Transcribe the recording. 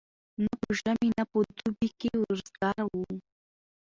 نه په ژمي نه په دوبي کي وزګار وو